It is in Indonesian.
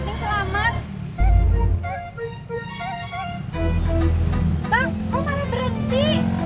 bang kok malah berhenti